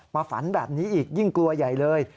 ฝันแบบนี้อีกยิ่งกลัวใหญ่เลย